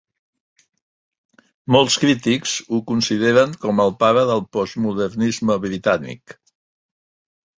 Molts crítics ho consideren com el pare de Postmodernisme britànic.